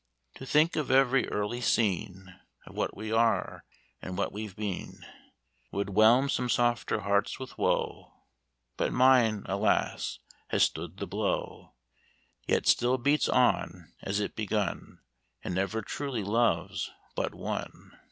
"To think of every early scene, Of what we are, and what we've been, Would whelm some softer hearts with woe But mine, alas! has stood the blow; Yet still beats on as it begun, And never truly loves but one.